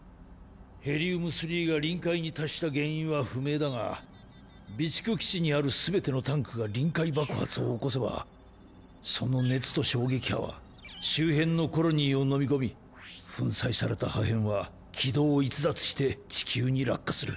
ヘリウム３が臨界に達した原因は不明だが備蓄基地にある全てのタンクが臨界爆発を起こせばその熱と衝撃波は周辺のコロニーを飲み込み粉砕された破片は軌道を逸脱して地球に落下する。